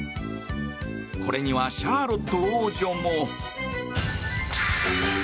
これにはシャーロット王女も。